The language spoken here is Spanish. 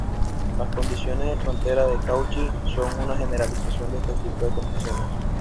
Las condiciones de frontera de Cauchy son una generalización de estos tipos de condiciones.